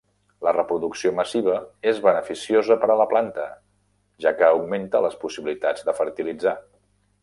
La reproducció massiva és beneficiosa per a la planta, ja que augmenta les possibilitats de fertilitzar.